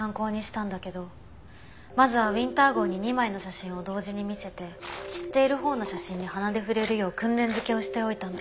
まずはウィンター号に２枚の写真を同時に見せて知っているほうの写真に鼻で触れるよう訓練づけをしておいたの。